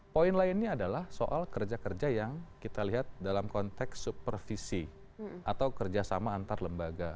poin lainnya adalah soal kerja kerja yang kita lihat dalam konteks supervisi atau kerjasama antar lembaga